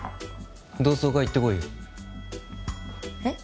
同窓会行ってこいよえっ？